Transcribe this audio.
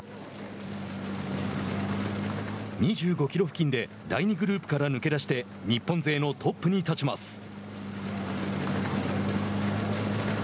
２５キロ付近で第２グループから抜け出して日本勢のトップに立ちます。